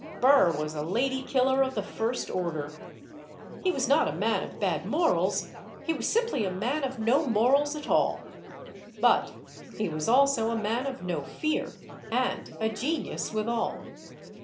Burr was a lady killer of the first order. He was not a man of bad morals. He was simply a man of no morals at all. But he was also a man of no fear, and a genius withal.